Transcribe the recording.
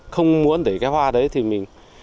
không muốn để cái hoa đấy thì mình